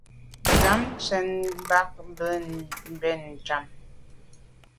Njam sèn bag be bèn njam.